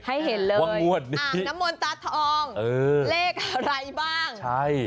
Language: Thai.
ให้เห็นเลยอ่างน้ำมนตาทองเลขอะไรบ้าง